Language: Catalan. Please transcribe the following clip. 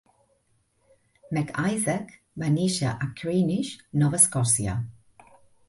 Maclsaac va nàixer a Creignish, Nova Escòcia.